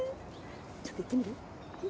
ちょっと行ってみる？ん？